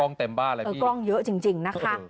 กล้องเต็มบ้านเลยพี่เออกล้องเยอะจริงนะคะ